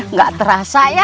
nggak terasa ya